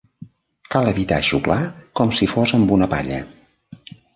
Cal evitar xuclar com si fos amb una palla.